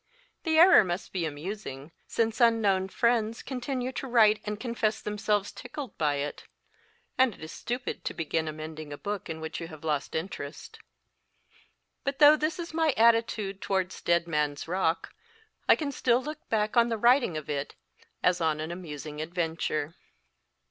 The error must be amusing, since unknown friends continue to write and confess themselves tickled by it ; and it is stupid to begin amending a book in which you have lost interest. But though this is my attitude towards * Dead Man s Rock, I can still look back on the writing of it as on an amus ing adventure.